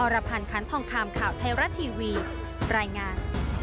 รพันธ์คันทองคำข่าวไทยรัฐทีวีรายงาน